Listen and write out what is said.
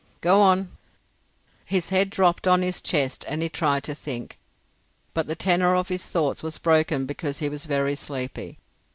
"Go on." His head dropped on his chest and he tried to think, but the tenor of his thoughts was broken because he was very sleepy.